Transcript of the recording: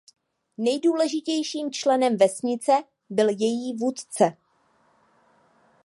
Nejdůležitějším členem vesnice byl její vůdce.